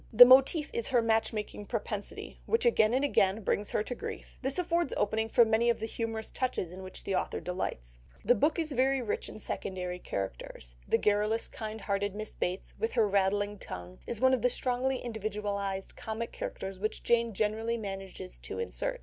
The motif is her match making propensity, which again and again brings her to grief; this affords opening for many of the humorous touches in which the author delights. The book is very rich in secondary characters. The garrulous, kind hearted Miss Bates, with her rattling tongue, is one of the strongly individualised comic characters which Jane generally manages to insert.